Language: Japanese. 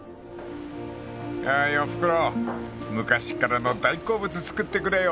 ［おいおふくろ昔からの大好物作ってくれよ］